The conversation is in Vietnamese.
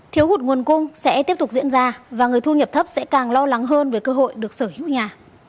thiếu hụt nguồn cung sẽ tiếp tục diễn ra và người thu nhập thấp sẽ càng lo lắng hơn về cơ hội được sở hữu nhà